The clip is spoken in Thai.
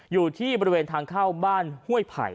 อยู่ที่บริเวณทางเข้าบ้านห้วยไผ่